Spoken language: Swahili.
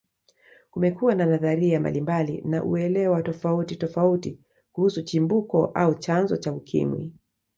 Kumekuwa na nadharia mbalimbali na uelewa tofauti tofauti kuhusu Chimbuko au chanzo cha Ukimwi